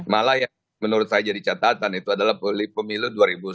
malah yang menurut saya jadi catatan itu adalah pemilu dua ribu sembilan belas